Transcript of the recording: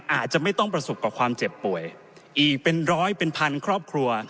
อาจจะไม่ต้องประสบกับความเจ็บป่วยอีกเป็นร้อยเป็นพันครอบครัว